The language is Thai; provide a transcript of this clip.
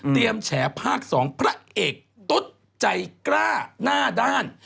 เตรียมแชร์ภาคสองพระเอกตุ๊ดใจกล้าหน้าด้าน